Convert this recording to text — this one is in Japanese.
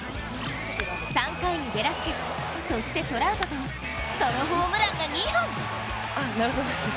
３回にベラスケス、そしてトラウトとソロホームランが２本。